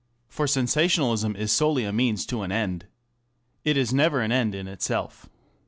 For sensation alism is solely a means to an end. It is never an end in itself.